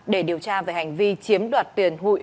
để điều tra về hành vi chiếm đoạt tiền hụi